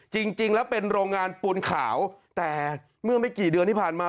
จริงแล้วเป็นโรงงานปูนขาวแต่เมื่อไม่กี่เดือนที่ผ่านมา